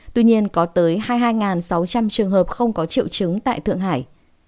tuy nhiên có tới hai mươi hai sáu trăm linh trường hợp không có triệu chứng tại thượng hải